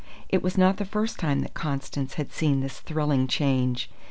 It was not the first time that Constance had seen this thrilling change.